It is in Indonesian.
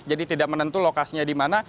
jadi tidak menentu lokasinya di mana